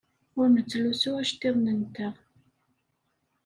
Ur nettlusu iceḍḍiḍen-nteɣ.